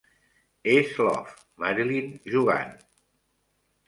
És Love, Marilyn jugant